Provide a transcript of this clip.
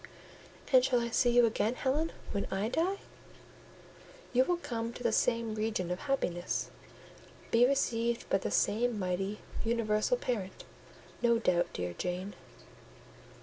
"And shall I see you again, Helen, when I die?" "You will come to the same region of happiness: be received by the same mighty, universal Parent, no doubt, dear Jane."